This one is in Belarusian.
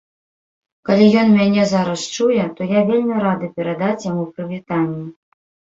Калі ён мяне зараз чуе, то я вельмі рады перадаць яму прывітанне.